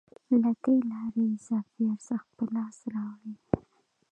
له دې لارې اضافي ارزښت په لاس راوړي